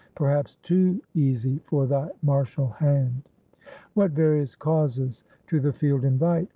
Perhaps TOO easy for thy martial hand. What various causes to the field invite!